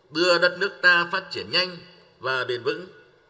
đưa đất nước ta phát triển nhanh và bền vững